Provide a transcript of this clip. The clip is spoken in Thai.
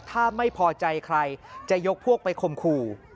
ถ้าไม่พอใจใครจะยกพวกไปคมขู่